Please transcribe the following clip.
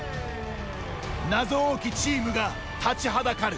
謎多きチームが立ちはだかる。